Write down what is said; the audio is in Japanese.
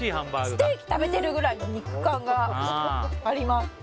ステーキ食べてるぐらいの肉感があります